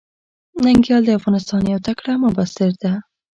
ننګيال د افغانستان يو تکړه مبصر ده.